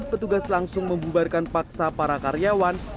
petugas langsung membubarkan paksa para karyawan